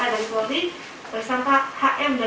dan layak untuk dipajukan ke tahap penutupan